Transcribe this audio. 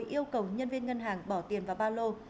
yêu cầu nhân viên ngân hàng bỏ tiền vào ba lô